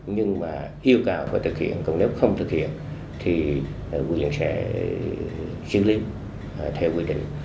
nhưng mà yêu cầu phải thực hiện còn nếu không thực hiện thì quyền sẽ giữ lý theo quy định